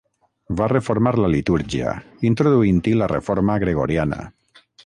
Va reformar la litúrgia, introduint-hi la reforma gregoriana.